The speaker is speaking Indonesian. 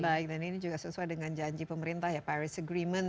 baik dan ini juga sesuai dengan janji pemerintah ya paris agreement